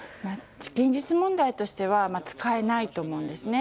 現実問題としては使えないと思います。